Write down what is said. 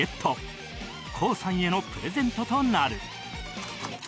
ＫＯＯ さんへのプレゼントとなる